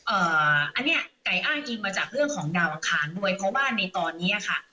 อันเนี้ยไก่อ้างอิงมาจากเรื่องของดาวอังคารด้วยเพราะว่าในตอนเนี้ยค่ะ